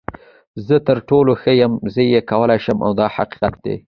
زه تر ټولو ښه یم، زه یې کولی شم دا حقیقت دی.